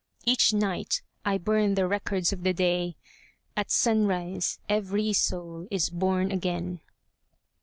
Each night I burn the records of the day, — At sunrise every soul is born again